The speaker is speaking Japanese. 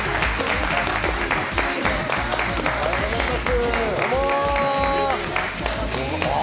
おはようございます。